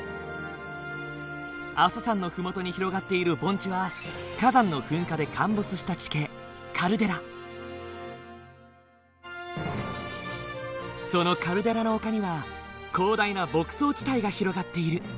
阿蘇山の麓に広がっている盆地は火山の噴火で陥没した地形そのカルデラの丘には広大な牧草地帯が広がっている。